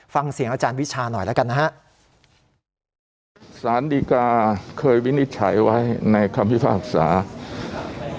ฟังเสียงอาจารย์วิชาหน่อยแล้วกันนะฮะสารดีกาเคยวินิจฉัยไว้ในคำพิพากษา